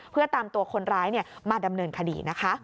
เพื่อตามตัวคนร้ายมาดำเนินคดีนะคะ